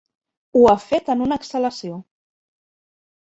Ho ha fet en una exhalació.